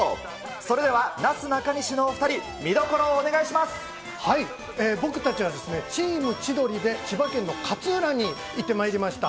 それでは、なすなかにしのお２人、僕たちはチーム千鳥で千葉県の勝浦に行ってまいりました。